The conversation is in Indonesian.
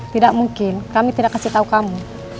tidak mungkin kami tidak kasih tahu kamu